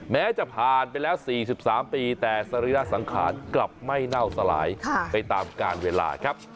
แม้จะผ่านไปแล้ว๔๓ปีแต่สรีระสังขารกลับไม่เน่าสลายไปตามการเวลาครับ